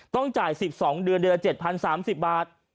ต้องจ่าย๑๒เดือนเดือนละ๗๐๓๐บาท